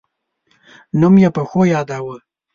نوم یې په ښو یاداوه.